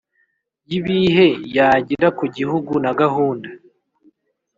y ibihe yagira ku gihugu na gahunda